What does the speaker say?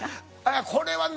これはな